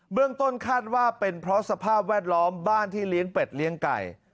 เรื่องต้นคาดว่าเป็นเพราะสภาพแวดล้อมบ้านที่เลี้ยงเป็ดเลี้ยงไก่